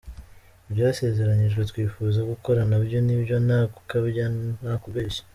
Ibyasezeranyijwe twifuza gukora na byo nibyo, nta gukabya nta kubeshya.